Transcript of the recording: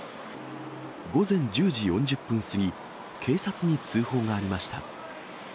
午前１０時４０分過ぎ、警察に通報がありました。